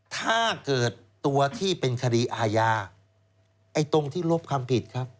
ถ้าเกิดตัวที่เป็นคดีอาญาไอ้ตรงที่ลบความผิดครับ